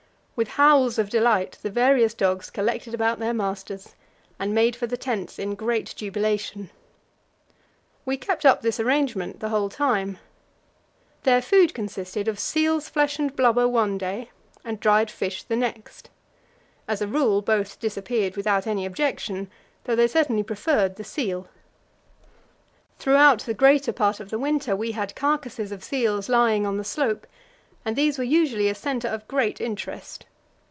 With howls of delight the various dogs collected about their masters, and made for the tents in great jubilation. We kept up this arrangement the whole time. Their food consisted of seal's flesh and blubber one day, and dried fish the next; as a rule, both disappeared without any objection, though they certainly preferred the seal. Throughout the greater part of the winter we had carcasses of seals lying on the slope, and these were usually a centre of great interest.